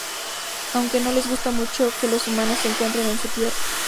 Aunque no les gusta mucho que los humanos se encuentren en su tierra.